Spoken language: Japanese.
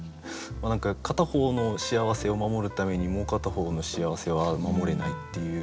何か片方の幸せを守るためにもう片方の幸せは守れないっていう。